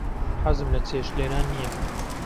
حەزم لە چێشت لێنان نییە.